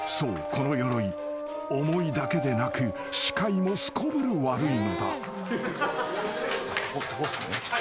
このヨロイ重いだけでなく視界もすこぶる悪いのだ］